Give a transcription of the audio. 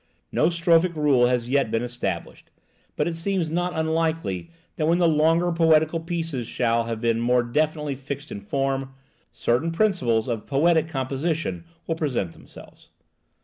No strophic rule has yet been established; but it seems not unlikely that when the longer poetical pieces shall have been more definitely fixed in form, certain principles of poetical composition will present themselves.